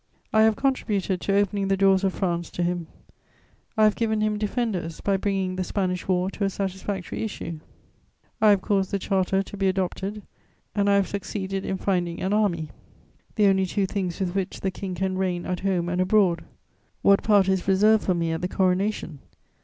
I have contributed to opening the doors of France to him; I have given him defenders, by bringing the Spanish War to a satisfactory issue; I have caused the Charter to be adopted, and I have succeeded in finding an army, the only two things with which the King can reign at home and abroad: what part is reserved for me at the coronation?